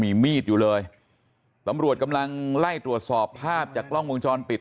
มีมีดอยู่เลยตำรวจกำลังไล่ตรวจสอบภาพจากกล้องวงจรปิด